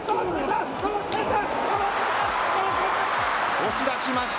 押し出しました。